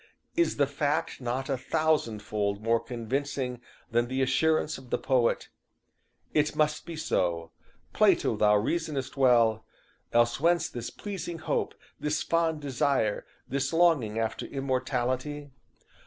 Is the fact not a thousand fold more convincing than the assurance of the poet: "It must be so; Plato, thou reasonest well; Else whence this pleasing hope, this fond desire, This longing after immortality?